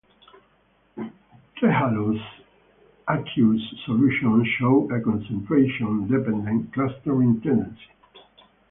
Trehalose aqueous solutions show a concentration-dependent clustering tendency.